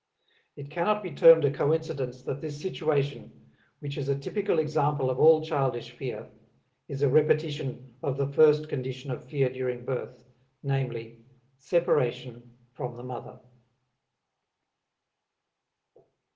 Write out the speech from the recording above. It cannot be termed a coincidence that this situation, which is a typical example of all childish fear, is a repetition of the first condition of fear during birth, viz., separation from the mother.